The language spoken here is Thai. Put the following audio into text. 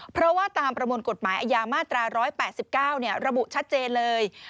เพราะว่าตามประมวลกฎหมายอาญามาตรา๑๘๙ระบุชัดเจนเลย